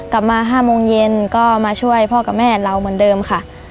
กลับมา๕โมงเย็นก็มาช่วยพ่อกับแม่เราเหมือนเดิมค่ะ